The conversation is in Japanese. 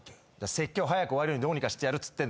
説教早く終わるようにどうにかしてやるっつってんの。